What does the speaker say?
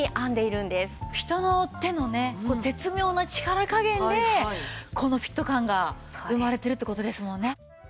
人の手のね絶妙な力加減でこのフィット感が生まれてるって事ですもんね。